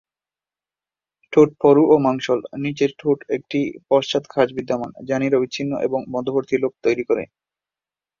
ঠোঁট পুরু ও মাংসল, নিচের ঠোঁটে একটি পশ্চাৎ খাঁজ বিদ্যমান যা নিরবচ্ছিন্ন এবং মধ্যবর্তী লোব তৈরি করে।